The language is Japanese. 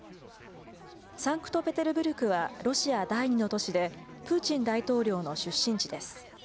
サンクトペテルブルクはロシア第２の都市で、プーチン大統領の出身地です。